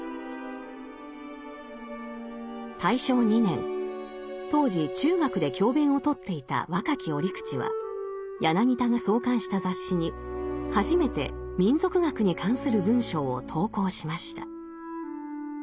大正２年当時中学で教鞭を執っていた若き折口は柳田が創刊した雑誌に初めて民俗学に関する文章を投稿しました。